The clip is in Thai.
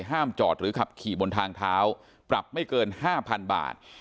ห้ามจอดหรือขับขี่บนทางเท้าปรับไม่เกิน๕๐๐๐บาท